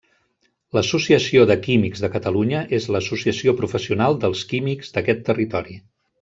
L'associació de químics de Catalunya és l'associació professional dels químics d'aquest territori.